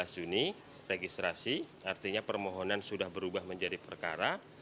sebelas juni registrasi artinya permohonan sudah berubah menjadi perkara